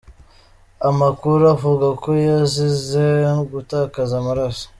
Amakuru avuga ko yazize gutakaza amaraso.